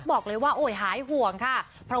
ก็บอกเขาว่าให้ล้างมือบ่อย